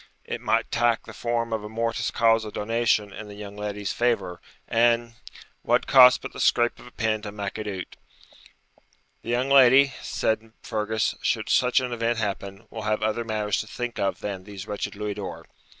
It might tak the form of a mortis causa donation in the young leddie's favour, and wad cost but the scrape of a pen to mak it out.' 'The young lady,' said Fergus, 'should such an event happen, will have other matters to think of than these wretched louis d'or.'